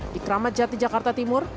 di keramat jati jakarta timur